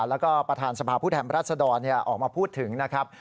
แล้วก็ประธานสภาพผู้แทนรัศดรออกมาพูดถึงนะครับ